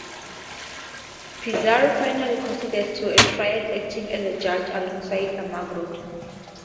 Pizarro finally conceded to a trial, acting as a judge alongside Almagro.